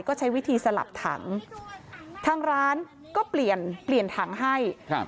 ก็ใช้วิธีสลับถังทางร้านก็เปลี่ยนเปลี่ยนถังให้ครับ